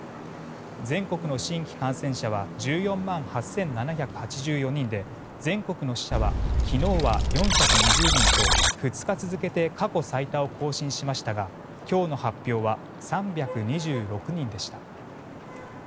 全国の新規感染者は１４万８７８４人で全国の死者は昨日は４２０人と２日続けて過去最多を更新しましたが今日の発表は３２６人でした。